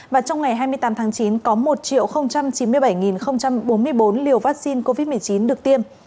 và trong ngày hai mươi tám tháng chín có một chín mươi bảy bốn mươi bốn liều vaccine covid một mươi chín được tiêm